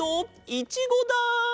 いちごだ！